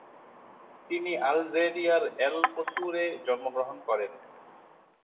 তিনি আলজেরিয়ার এল-কসুর এ জন্মগ্রহণ করেন।